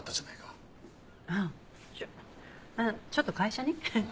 ああちょっと会社に。